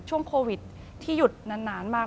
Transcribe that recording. ช่วงโควิดที่หยุดนานมาก